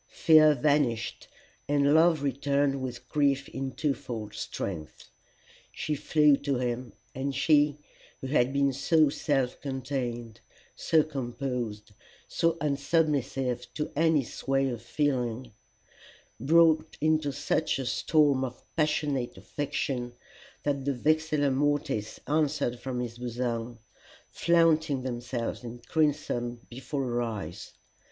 Fear vanished, and love returned with grief in twofold strength. She flew to him, and she who had been so self contained, so composed, so unsubmissive to any sway of feeling, broke into such a storm of passionate affection that the vexilla mortis answered from his bosom, flaunting themselves in crimson before her eyes.